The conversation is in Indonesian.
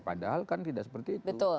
padahal kan tidak seperti itu